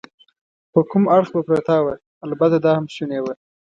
پر کوم اړخ به پرته وه؟ البته دا هم شونې وه.